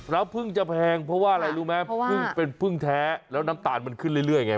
แล้วเพิ่งจะแพงเพราะว่าอะไรรู้ไหมเพิ่งเป็นพึ่งแท้แล้วน้ำตาลมันขึ้นเรื่อยไง